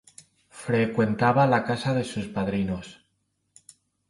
Frecuentaba la casa de sus padrinos.